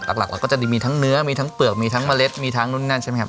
หลักเราก็จะมีทั้งเนื้อมีทั้งเปลือกมีทั้งเมล็ดมีทั้งนู่นนั่นใช่ไหมครับ